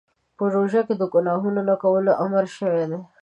په روژه کې د ګناهونو د نه کولو امر شوی دی.